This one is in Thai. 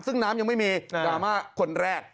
ซึ่งน้ำยังไม่มีดราม่าคนแรก